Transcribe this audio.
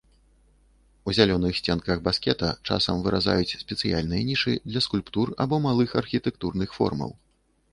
У зялёных сценках баскета часам выразаюць спецыяльныя нішы для скульптур або малых архітэктурных формаў.